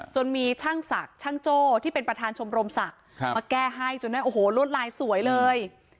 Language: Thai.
มีช่างศักดิ์ช่างโจ้ที่เป็นประธานชมรมศักดิ์มาแก้ให้จนได้โอ้โหลวดลายสวยเลย